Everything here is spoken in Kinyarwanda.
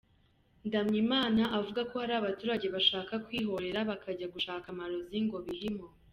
Ndamyimana avuga ko hari abaturage bashaka kwihorera bakajya gushaka amarozi ngo bihimure.